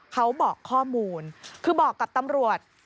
เขาบอกข้อมูลคือบอกกับตำรวจ